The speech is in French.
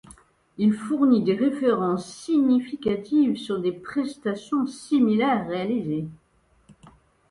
Il fournit des références significatives sur des prestations similaires réalisées.